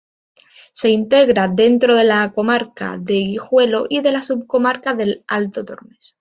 Se integra dentro de la comarca de Guijuelo y la subcomarca del Alto Tormes.